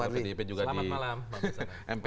di ip juga di mpr